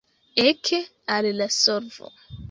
Eke al la solvo!